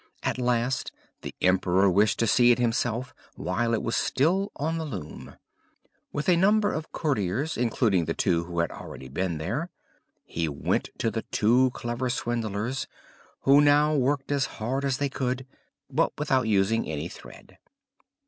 At last the emperor wished to see it himself, while it was still on the loom. With a number of courtiers, including the two who had already been there, he went to the two clever swindlers, who now worked as hard as they could, but without using any thread.